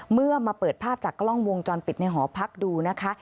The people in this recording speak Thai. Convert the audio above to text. เมื่อมาเปิดภาพจากกล้องวงจรปิดในหอพักดูนะคะ